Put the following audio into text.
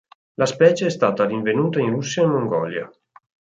La specie è stata rinvenuta in Russia e Mongolia.